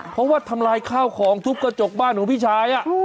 เพราะว่าทำลายข้าวของทุบกระจกบ้านของพี่ชาย